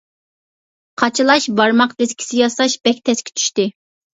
قاچىلاش بارماق دىسكىسى ياساش بەك تەسكە چۈشتى.